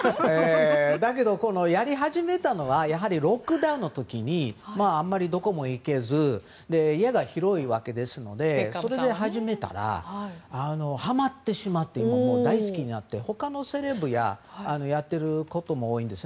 だけど、やり始めたのはロックダウンの時にあまりどこにも行けず家が広いわけですのでそれで始めたらはまってしまって大好きになって、他のセレブがやっていることも多いんです。